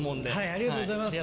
ありがとうございます。